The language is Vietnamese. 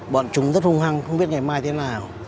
bọn chúng rất hung hăng không biết ngày mai thế nào